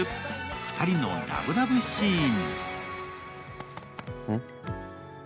２人のラブラブシーン。